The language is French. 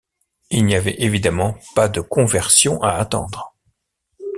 Il n’y avait évidemment pas de conversion à attendre.